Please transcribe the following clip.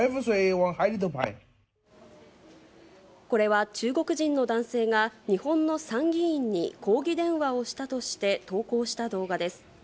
これは中国人の男性が、日本の参議院に抗議電話をしたとして投稿した動画です。